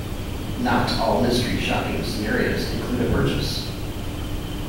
Not all mystery shopping scenarios include a purchase.